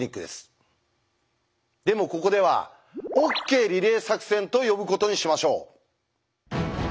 でもここでは「ＯＫリレー作戦」と呼ぶことにしましょう。